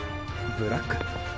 ブラック？